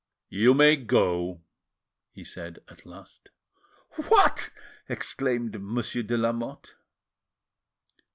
"You may go," he said at last. "What!" exclaimed Monsieur de Lamotte.